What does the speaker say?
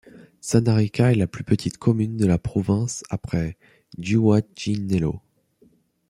Sanarica est la plus petite communee de la province après Giuggianello.